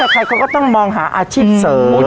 ใครเขาก็ต้องมองหาอาชีพเสริม